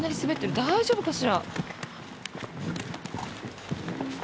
大丈夫かしら。